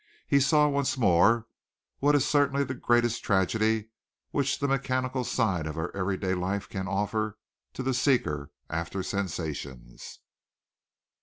He saw once more what is certainly the greatest tragedy which the mechanical side of our every day life can offer to the seeker after sensations.